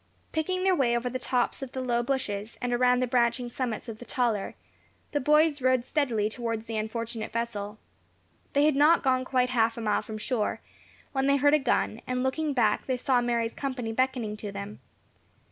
Picking their way over the tops of the low bushes, and around the branching summits of the taller, the boys rowed steadily towards the unfortunate vessel. They had gone not quite half a mile from shore, when they heard a gun, and looking back, they saw Mary's company beckoning to them.